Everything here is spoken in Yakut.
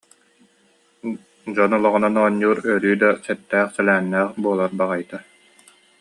Дьон олоҕунан оонньуур өрүү да сэттээх-сэлээннээх буолар баҕайыта